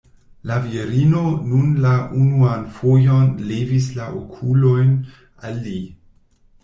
La virino nun la unuan fojon levis la okulojn al li.